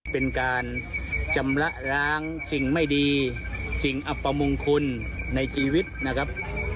เป็นการชำระล้างสิ่งไม่ดีสิ่งอัปมงคลในชีวิตนะครับ